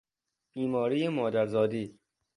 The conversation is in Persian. بیماری مادرزادی